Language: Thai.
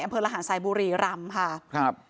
อำเภอลภัณฑ์สายบุรีรามค่ะครับ